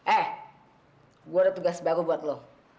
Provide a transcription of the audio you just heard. eh gua ada tugas baru buat lu